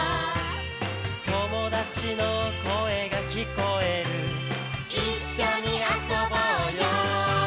「友達の声が聞こえる」「一緒に遊ぼうよ」